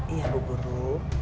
iya bu guru